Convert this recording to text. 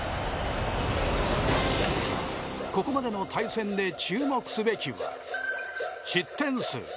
ここまでの対戦で注目すべきは失点数。